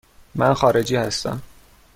من خارجی هستم.